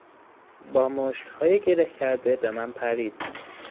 با مشتهای گره کرده به من پرید.